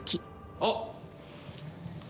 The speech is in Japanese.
あっ！